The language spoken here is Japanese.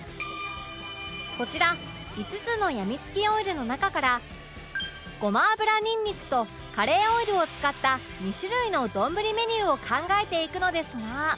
こちら５つのやみつきオイルの中からごま油にんにくとカレーオイルを使った２種類の丼メニューを考えていくのですが